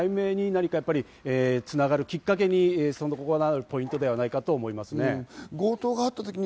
なので事件の解明に何かつながるきっかけになるポイントではないかと思いますね。